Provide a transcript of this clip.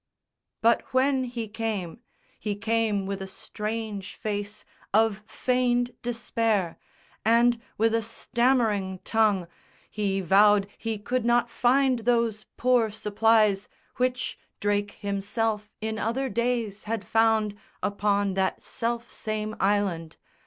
But when he came, he came with a strange face Of feigned despair; and with a stammering tongue He vowed he could not find those poor supplies Which Drake himself in other days had found Upon that self same island.